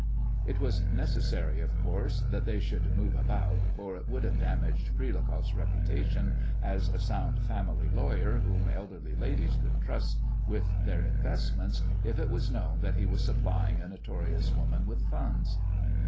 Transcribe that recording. It was necessary, of course, that they should move about, for it would have damaged Prilukoff's reputation as a sound family lawyer whom elderly ladies could trust with their investments if it was known that he was supplying a notorious woman with funds.